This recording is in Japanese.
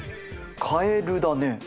カエルだね。